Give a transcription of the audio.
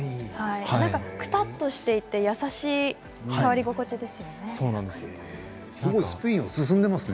くたっとして優しい触り心地ですね。